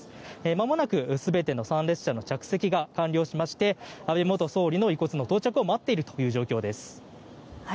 まもなく全ての参列者の着席が完了しまして安倍元総理の遺骨の到着を待っているという状況です。